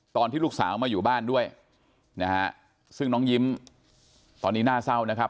ตอนที่ลูกสาวมาอยู่บ้านด้วยนะฮะซึ่งน้องยิ้มตอนนี้น่าเศร้านะครับ